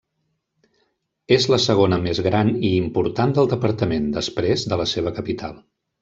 És la segona més gran i important del departament, després de la seva capital.